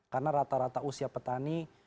karena rata rata usia petani